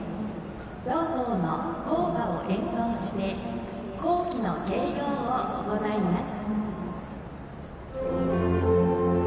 同校の校歌を演奏して校旗の掲揚を行います。